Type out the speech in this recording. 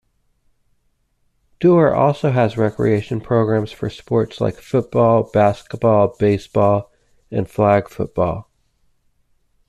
Dorr also has recreation programs for sports like football, basketball, baseball, and flag football.